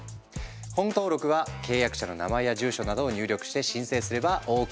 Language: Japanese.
本登録は契約者の名前や住所などを入力して申請すればＯＫ！